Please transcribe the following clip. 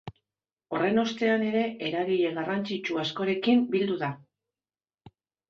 Horren ostean ere eragile garrantzitsu askorekin bildu da.